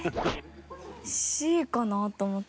Ｃかな？と思った。